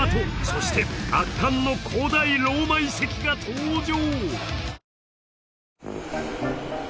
そして圧巻の古代ローマ遺跡が登場！